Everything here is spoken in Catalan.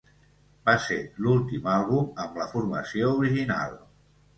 Va ser l'últim àlbum amb la formació original.